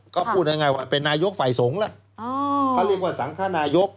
ก็พูดง่ายว่าเป็นนายกฝ่ายสงฆ์แล้วเขาเรียกว่าสังคนายก